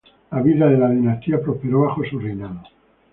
La vida de la dinastía prosperó bajo su reinado.